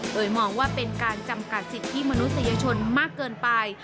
โดยมองว่าเป็นการจำกัดสิทธิมนุษยชนมากเกินไป